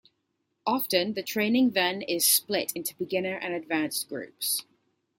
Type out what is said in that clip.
Often, the training then is split into beginner and advanced groups.